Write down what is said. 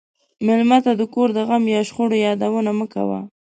مېلمه ته د کور د غم یا شخړې یادونه مه کوه.